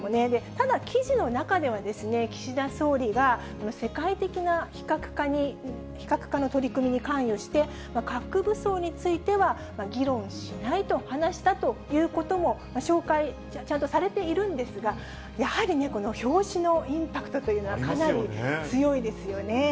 ただ、記事の中では岸田総理が世界的な非核化の取り組みに関与して、核武装については議論しないと話したということも紹介、ちゃんとされてるんですが、やはりね、この表紙のインパクトというのはかなり強いですよね。